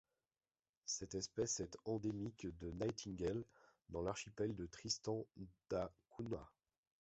Cette espèce est endémique de Nightingale dans l'archipel de Tristan da Cunha.